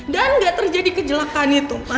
dan gak terjadi kecelakaan itu ma